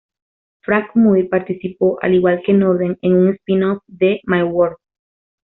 Frank Muir participó, al igual que Norden, en un spin-off de "My Word!